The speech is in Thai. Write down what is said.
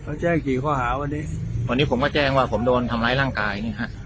เขาแจ้งกี่ข้อหาวันนี้วันนี้ผมก็แจ้งว่าผมโดนทำร้ายร่างกายนี่ฮะ